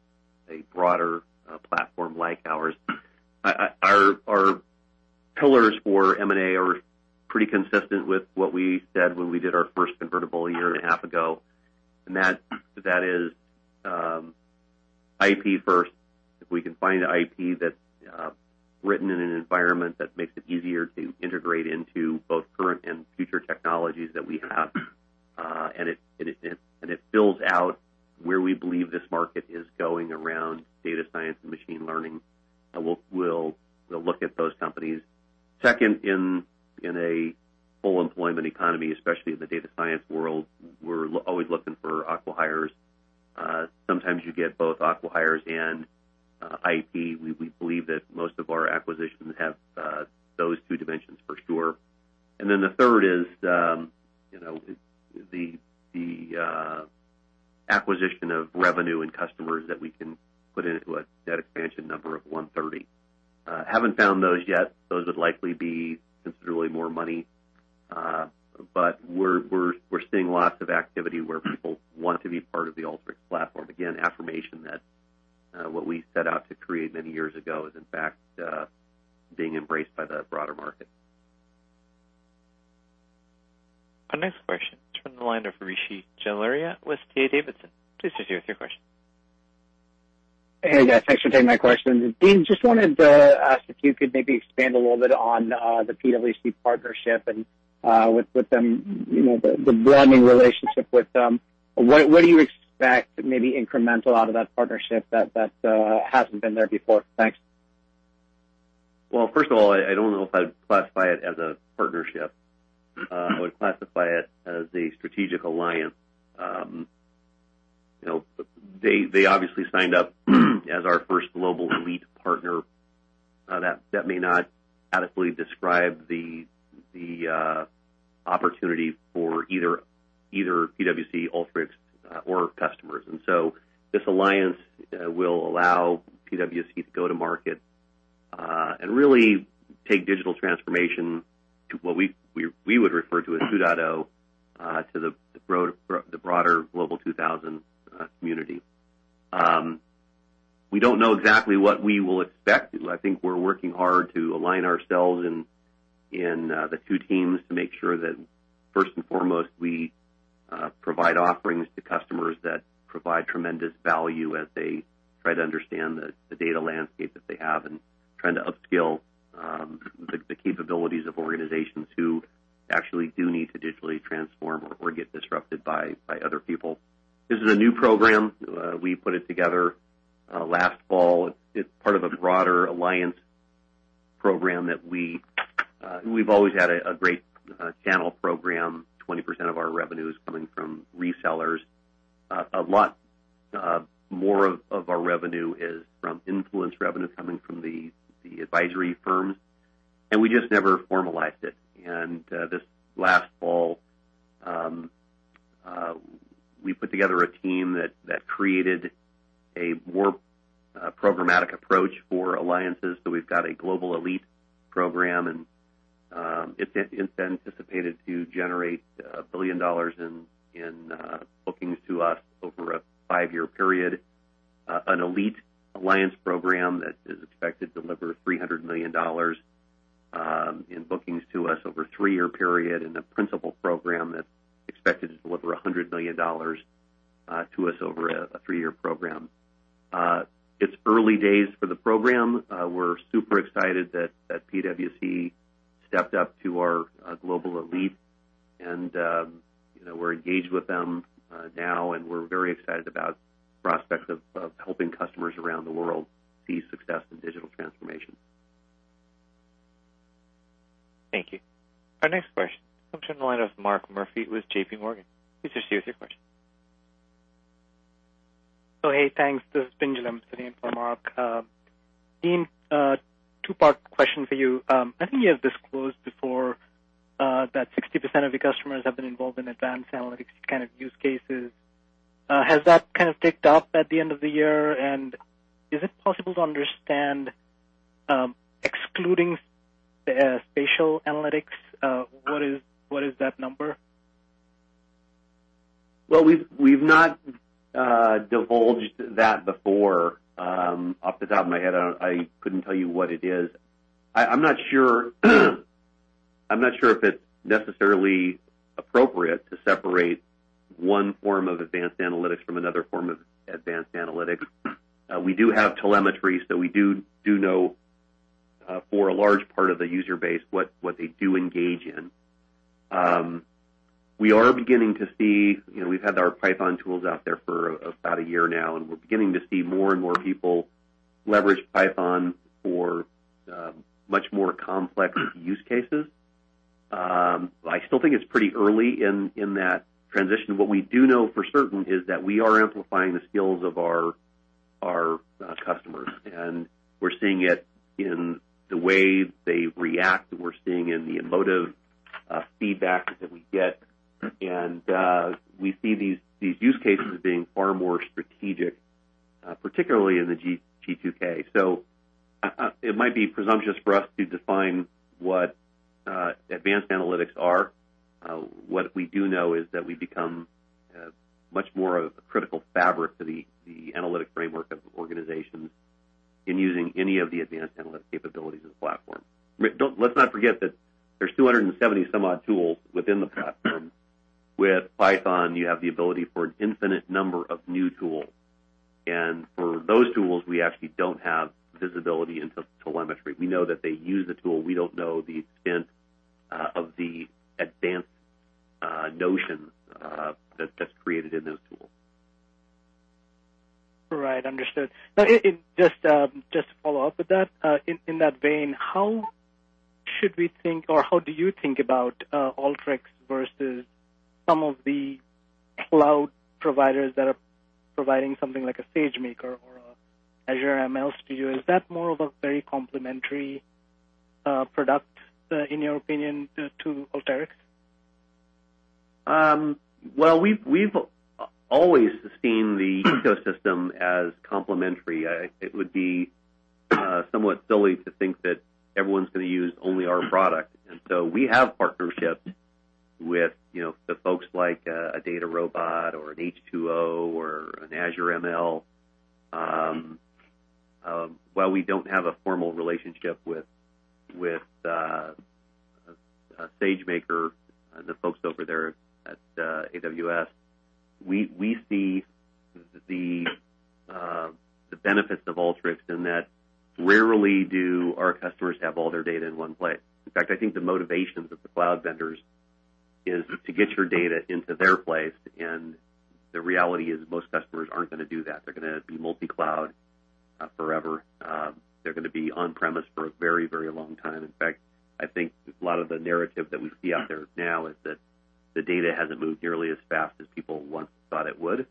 broader platform like ours. Our pillars for M&A are pretty consistent with what we said when we did our first convertible a year and a half ago. That is IP first. If we can find an IP that's written in an environment that makes it easier to integrate into both current and future technologies that we have and it builds out where we believe this market is going around data science and machine learning, we'll look at those companies. Second, in a full employment economy, especially in the data science world, we're always looking for acqui-hires. Sometimes you get both acqui-hires and IP. We believe that most of our acquisitions have those two dimensions for sure. The third is the acquisition of revenue and customers that we can put into a net expansion number of 130. Haven't found those yet. Those would likely be considerably more money. We're seeing lots of activity where people want to be part of the Alteryx platform. Again, affirmation that what we set out to create many years ago is, in fact, being embraced by the broader market. Our next question comes from the line of Rishi Jaluria with D.A. Davidson. Please proceed with your question. Hey, guys. Thanks for taking my question. Dean, just wanted to ask if you could maybe expand a little bit on the PwC partnership and with them, the broadening relationship with them. What do you expect maybe incremental out of that partnership that hasn't been there before? Thanks. Well, first of all, I don't know if I'd classify it as a partnership. I would classify it as a strategic alliance. They obviously signed up as our first Global Elite Partner. That may not adequately describe the opportunity for either PwC, Alteryx, or customers. This alliance will allow PwC to go to market and really take Digital Transformation 2.0 to the broader Global 2000 community. We don't know exactly what we will expect. I think we're working hard to align ourselves in the two teams to make sure that first and foremost, we provide offerings to customers that provide tremendous value as they try to understand the data landscape that they have and trying to upskill the capabilities of organizations who actually do need to digitally transform or get disrupted by other people. This is a new program. We put it together last fall. It's part of a broader alliance program that we've always had a great channel program, 20% of our revenue is coming from resellers. A lot more of our revenue is from influence revenue coming from the advisory firms, and we just never formalized it. This last fall, we put together a team that created a more programmatic approach for alliances. We've got a Global elite program, and it's anticipated to generate $1 billion in bookings to us over a five-year period. An Elite Alliance program that is expected to deliver $300 million in bookings to us over a three-year period, and a Principal program that's expected to deliver $100 million to us over a three-year program. It's early days for the program. We're super excited that PwC stepped up to our Global Elite, and we're engaged with them now, and we're very excited about prospects of helping customers around the world see success in digital transformation. Thank you. Our next question comes from the line of Mark Murphy with JP Morgan. Please proceed with your question. Hey, thanks. This is Pinjalim Bora sitting in for Mark. Dean, two-part question for you. I think you have disclosed before that 60% of your customers have been involved in advanced analytics kind of use cases. Has that kind of ticked up at the end of the year? Is it possible to understand, excluding the spatial analytics, what is that number? Well, we've not divulged that before. Off the top of my head, I couldn't tell you what it is. I'm not sure if it's necessarily appropriate to separate one form of advanced analytics from another form of advanced analytics. We do have telemetry, so we do know for a large part of the user base what they do engage in. We are beginning to see, we've had our Python tools out there for about a year now, and we're beginning to see more and more people leverage Python for much more complex use cases. I still think it's pretty early in that transition. What we do know for certain is that we are amplifying the skills of our customers, and we're seeing it in the way they react. We're seeing in the emotive feedback that we get. We see these use cases as being far more strategic, particularly in the G2K. It might be presumptuous for us to define what advanced analytics are. What we do know is that we become much more of a critical fabric to the analytic framework of organizations in using any of the advanced analytic capabilities of the platform. Let's not forget that there's 270 some odd tools within the platform. With Python, you have the ability for an infinite number of new tools. For those tools, we actually don't have visibility into telemetry. We know that they use a tool. We don't know the extent of the advanced notion that's created in those tools. Right. Understood. Just to follow up with that, in that vein, how should we think or how do you think about Alteryx versus some of the cloud providers that are providing something like a SageMaker or Azure ML Studio? Is that more of a very complementary product, in your opinion, to Alteryx? Well, we've always seen the ecosystem as complementary. It would be somewhat silly to think that everyone's going to use only our product. We have partnerships with the folks like a DataRobot or an H2O or an Azure ML. While we don't have a formal relationship with SageMaker, the folks over there at AWS, we see the benefits of Alteryx in that rarely do our customers have all their data in one place. In fact, I think the motivations of the cloud vendors is to get your data into their place, and the reality is most customers aren't going to do that. They're going to be multi-cloud forever. They're going to be on-premise for a very long time. In fact, I think a lot of the narrative that we see out there now is that the data hasn't moved nearly as fast as people once thought it would.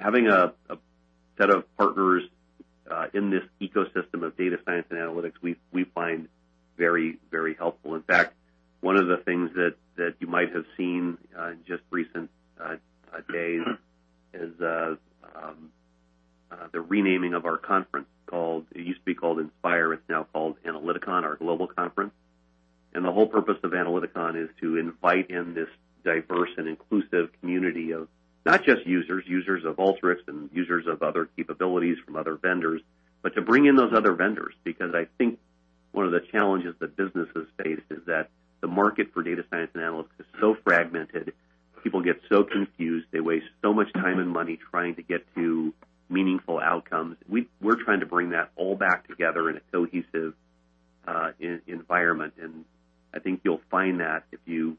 Having a set of partners in this ecosystem of data science and analytics, we find very helpful. In fact, one of the things that you might have seen in just recent days is the renaming of our conference. It used to be called Inspire, it's now called Analyticon, our global conference. The whole purpose of Analyticon is to invite in this diverse and inclusive community of not just users of Alteryx, and users of other capabilities from other vendors, but to bring in those other vendors. I think one of the challenges that businesses face is that the market for data science and analytics is so fragmented. People get so confused. They waste so much time and money trying to get to meaningful outcomes. We're trying to bring that all back together in a cohesive environment. I think you'll find that if you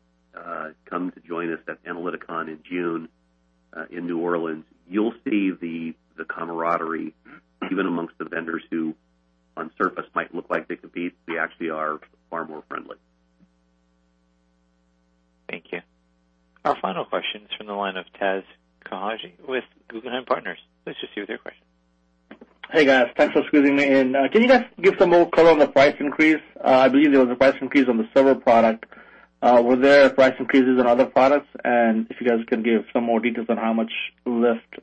come to join us at Analyticon in June in New Orleans. You'll see the camaraderie, even amongst the vendors who on surface might look like they compete, we actually are far more friendly. Thank you. Our final question is from the line of Taz Koujalgi with Guggenheim Partners. Hey, guys. Thanks for squeezing me in. Can you guys give some more color on the price increase? I believe there was a price increase on the Alteryx Server product. Were there price increases on other products? If you guys can give some more details on how much lift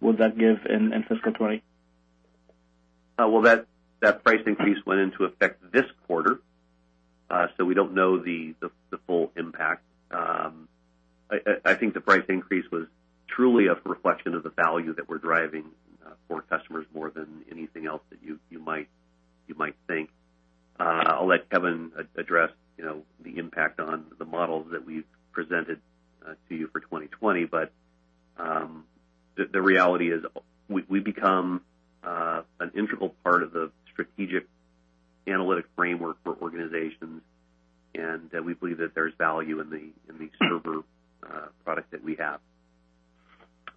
would that give in fiscal 2020. Well, that price increase went into effect this quarter. We don't know the full impact. I think the price increase was truly a reflection of the value that we're driving for customers more than anything else that you might think. I'll let Kevin address the impact on the models that we've presented to you for 2020. The reality is we become an integral part of the strategic analytic framework for organizations, and we believe that there's value in the server product that we have.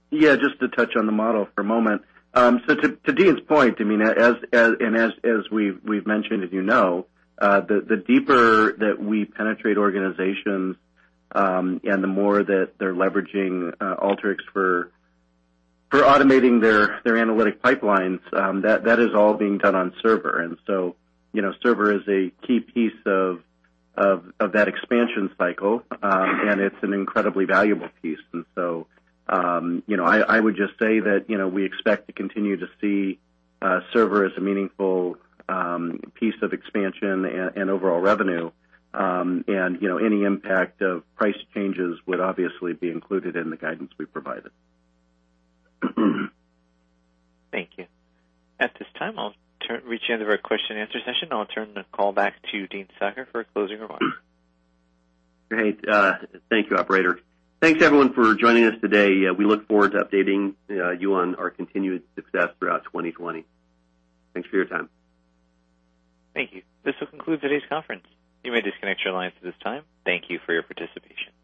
Yeah, just to touch on the model for a moment. To Dean's point, and as we've mentioned and you know, the deeper that we penetrate organizations, and the more that they're leveraging Alteryx for automating their analytic pipelines, that is all being done on Server. Server is a key piece of that expansion cycle, and it's an incredibly valuable piece. I would just say that we expect to continue to see Server as a meaningful piece of expansion and overall revenue. Any impact of price changes would obviously be included in the guidance we provided. Thank you. At this time, I'll reach the end of our question and answer session. I'll turn the call back to Dean Stoecker for closing remarks. Great. Thank you, operator. Thanks, everyone, for joining us today. We look forward to updating you on our continued success throughout 2020. Thanks for your time. Thank you. This will conclude today's conference. You may disconnect your lines at this time. Thank you for your participation.